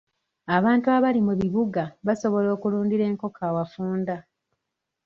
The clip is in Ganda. Abantu abali mu bibuga basobola okulundira enkoko awafunda.